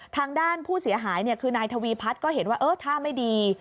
ทางด้านผู้เสียหายคือนายทวีพัฒน์ก็เห็นว่าเออท่าไม่ดี